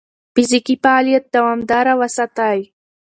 فزیکي فعالیت دوامداره وساتئ.